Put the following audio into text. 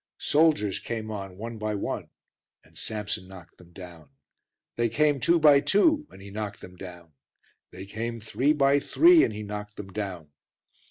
Soldiers came on one by one and Samson knocked them down; they came two by two and he knocked them down; they came three by three and he knocked them down.